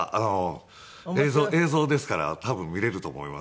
映像ですから多分見れると思います。